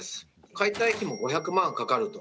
解体費も５００万かかると。